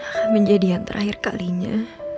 ini menjadi yang terakhir kalinya